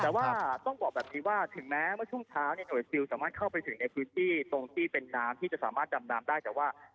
แต่ว่าต้องบอกแบบนี้ว่าถึงแม้เมื่อช่วงเช้าเนี่ยหน่วยซิลสามารถเข้าไปถึงในพื้นที่ตรงที่เป็นน้ำที่จะสามารถดำน้ำได้แต่ว่า